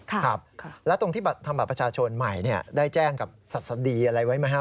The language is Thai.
ครับแล้วตรงที่ทำบัตรประชาชนใหม่ได้แจ้งกับศัษฎีอะไรไว้ไหมครับ